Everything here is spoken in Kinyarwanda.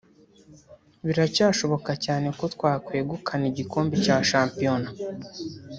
Biracyashoboka cyane ko twakwegukana igikombe cya shampiyona